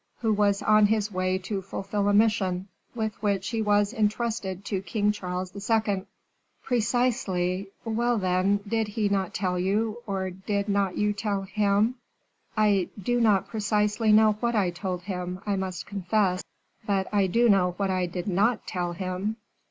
"Who was on his way to fulfil a mission, with which he was intrusted to King Charles II." "Precisely. Well, then, did he not tell you, or did not you tell him " "I do not precisely know what I told him, I must confess: but I do know what I did not tell him."